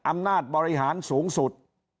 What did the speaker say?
อำนาจบริหารสูงสุด